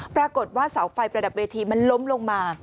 ปรากฏว่าเสาไฟประดับเวทีมันล้มลงมา